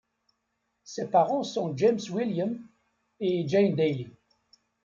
Ses parents sont James William et Jane Daly.